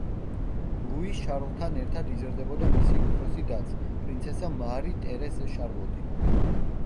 ლუი შარლთან ერთად იზრდებოდა მისი უფროსი დაც, პრინცესა მარი ტერეზ შარლოტი.